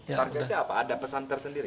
targetnya apa ada pesan tersendiri